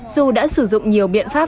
dù đã sử dụng nhiều biện pháp